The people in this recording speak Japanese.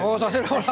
ほら！